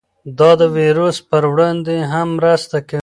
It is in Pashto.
دا د ویروس پر وړاندې هم مرسته کوي.